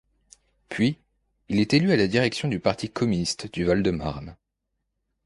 Puis il est élu à la direction du Parti communiste du Val-de-Marne.